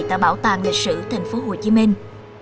tại bảo tàng lịch sử thành phố hồ chí minh